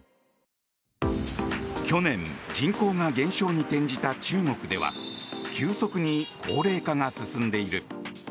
去年人口が減少に転じた中国では急速に高齢化が進んでいる。